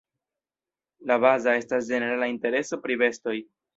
La baza estas ĝenerala intereso pri bestoj.